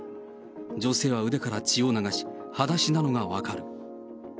女性は腕から血を流し、はだしなのが分かる。